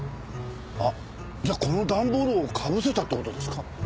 あっじゃあこの段ボールをかぶせたって事ですか？